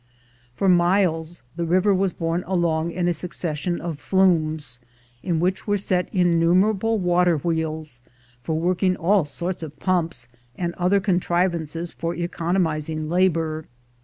For miles the river was borne along in a succession of flumes, in which were set innumerable water wheels, for working all sorts of pumps, and other contrivances for economizing labor.